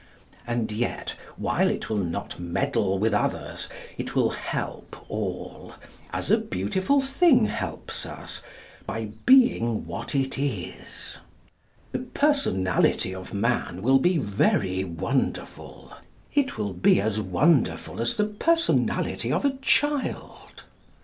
And yet while it will not meddle with others, it will help all, as a beautiful thing helps us, by being what it is. The personality of man will be very wonderful. It will be as wonderful as the personality of a child.